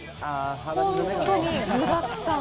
本当に具だくさん。